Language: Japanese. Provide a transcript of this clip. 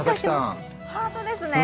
ハートですね。